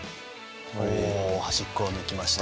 おお端っこを抜きました。